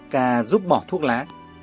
cà giúp bỏ thuốc lá